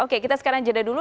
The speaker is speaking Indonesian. oke kita sekarang jeda dulu